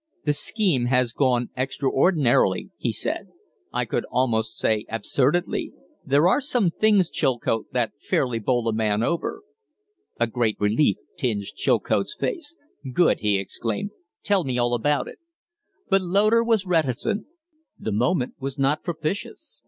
"The scheme has gone extraordinarily," he said. "I could almost say absurdly. There are some things, Chilcote, that fairly bowl a man over." A great relief tinged Chilcote's face. "Good!" he exclaimed. "Tell me all about it." But Loder was reticent. The moment was not propitious.